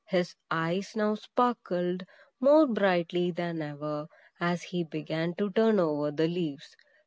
His eyes now sparkled more brightly than ever, as he began to turn over the leaves.